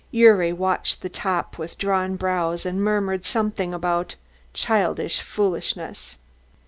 Gyuri watched the top with drawn brows and murmured something about "childish foolishness."